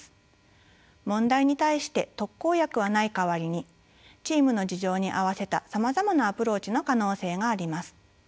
問題に対して特効薬はない代わりにチームの事情に合わせたさまざまなアプローチの可能性があります。